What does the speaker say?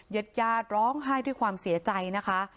ญาติญาติร้องไห้ด้วยความเสียใจนะคะ